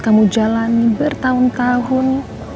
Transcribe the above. kamu jalan bertahun tahun